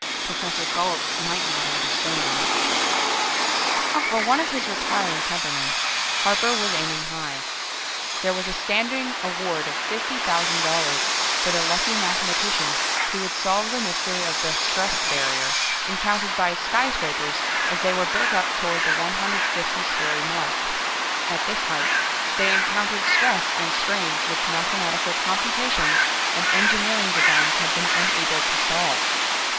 Professor Gault might not understand.... For one of his retiring temperament, Harper was aiming high. There was a standing award of $50,000 for the lucky mathematician who would solve the mystery of the "stress barrier" encountered by skyscrapers as they were built up toward the 150 story mark. At this height, they encountered stress and strains which mathematical computations and engineering designs had been unable to solve.